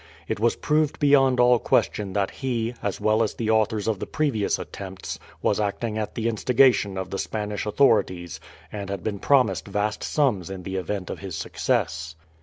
It was proved beyond all question that he, as well as the authors of the previous attempts, was acting at the instigation of the Spanish authorities, and had been promised vast sums in the event of his success.